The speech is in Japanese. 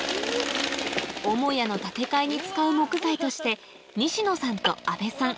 母屋の建て替えに使う木材として西野さんと阿部さん